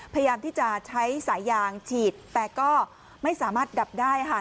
พยายามที่จะใช้สายยางฉีดแต่ก็ไม่สามารถดับได้ค่ะ